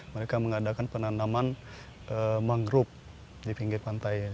mereka mengadakan penanaman mangrove di pinggir pantai